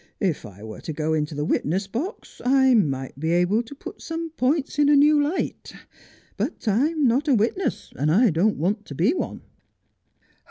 ' If I were to go into the witness box I might be able to put some points in a new light ; but I'm not a witness, and I don't want to be one.'